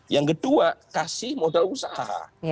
yang kedua kasih modal usaha